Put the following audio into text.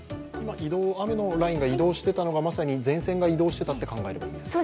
雨のラインが移動しているのはまさに前線が移動しているということですか？